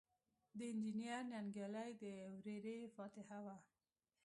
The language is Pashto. د انجنیر ننګیالي د ورېرې فاتحه وه.